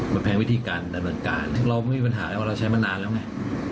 มันแพงวิธีการได้เหมือนกันเราไม่มีปัญหาเราใช้มานานแล้วไง